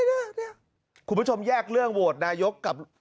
คุณผู้ชมแยกเรื่องโหวทนายกกับ